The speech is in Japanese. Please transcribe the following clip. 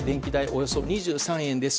およそ２３円です。